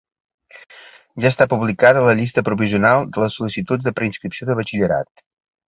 Ja està publicada la llista provisional de les sol·licituds de preinscripció de batxillerat.